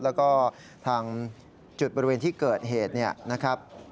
แล้วก็ทางจุดบริเวณที่เกิดเหตุเนี่ยนะครับ